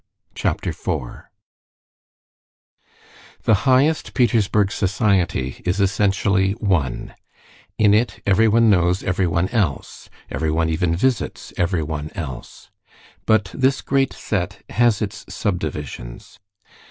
Chapter 4 The highest Petersburg society is essentially one: in it everyone knows everyone else, everyone even visits everyone else. But this great set has its subdivisions.